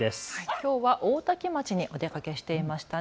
きょうは大多喜町にお出かけしていましたね。